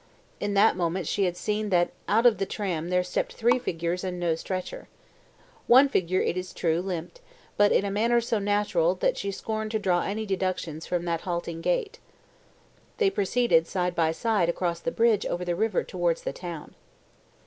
In that moment she had seen that out of the tram there stepped three figures and no stretcher. One figure, it is true, limped, but in a manner so natural, that she scorned to draw any deductions from that halting gait. They proceeded, side by side, across the bridge over the river towards the town.